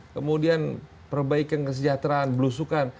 kemudian perbaikan kesejahteraan belusukan